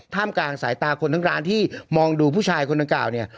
กลางสายตาคนทั้งร้านที่มองดูผู้ชายคนดังกล่าวเนี่ย